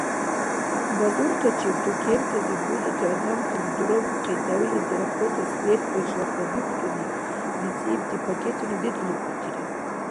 Базуртачиб, тукентазиб бузути адамтани, дурабухъи, дявилизи аркьутас берк-бержла продуктуни дицӀибти пакетуни дедлугутири.